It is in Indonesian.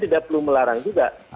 tidak perlu melarang juga